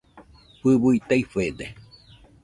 Fɨui taifede